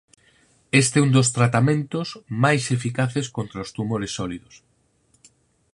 Este é un dos tratamentos máis eficaces contra os tumores sólidos.